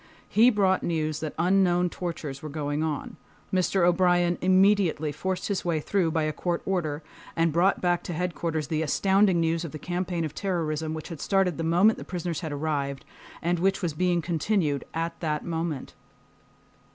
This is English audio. He brought news that unknown tortures were going on. Mr. O'Brien immediately forced his way through by a court order, and brought back to Headquarters the astounding news of the campaign of terrorism which had started the moment the prisoners had arrived, and which was being continued at that moment.